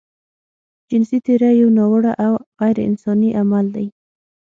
جنسي تېری يو ناوړه او غيرانساني عمل دی.